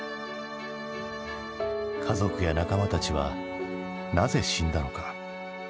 家族や仲間たちはなぜ死んだのか？